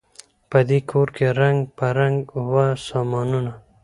په دې کورکي رنګ په رنګ وه سامانونه